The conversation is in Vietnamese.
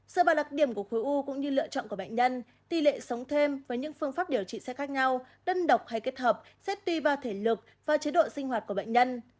giữa bà lạc điểm của khối u cũng như lựa chọn của bệnh nhân tỷ lệ sống thêm với những phương pháp điều trị sẽ khác nhau đân độc hay kết hợp sẽ tùy vào thể lực và chế độ sinh hoạt của bệnh nhân